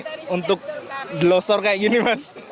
jadinya melihat untuk delosor kayak gini mas